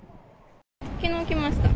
きのう来ました。